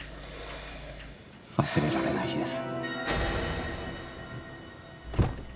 忘れられない日です。